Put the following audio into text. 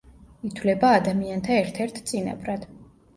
ითვლება ადამიანთა ერთ-ერთ წინაპრად.